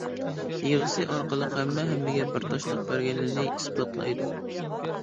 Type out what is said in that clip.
يىغىسى ئارقىلىق ھەممە ھەممىگە بەرداشلىق بەرگىنىنى ئىسپاتلايدۇ.